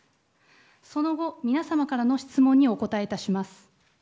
その後、皆様からの質問にお答えいたします。